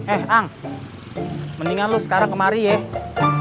eh ang mendingan lo sekarang kemari ya